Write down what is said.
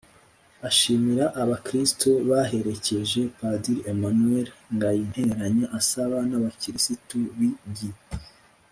ashimira abakristu baherekeje padiri emmanuel ngayinteranya asaba n’abakirisitu b’i g